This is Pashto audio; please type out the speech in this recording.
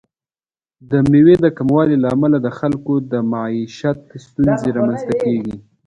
د میوې د کموالي له امله د خلکو د معیشت ستونزې رامنځته کیږي.